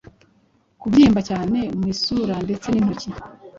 kubyimba cyane mu isura ndetse n’intoki